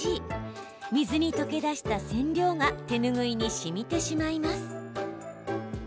水に溶け出した染料が手ぬぐいにしみてしまいます。